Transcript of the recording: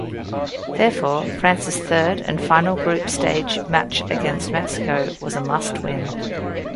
Therefore, France's third and final group stage match against Mexico was a must-win.